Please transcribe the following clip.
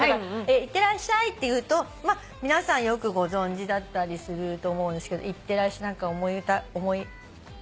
「行ってらっしゃい」っていうと皆さんよくご存じだったりすると思うんですけど思い浮かぶのありますか？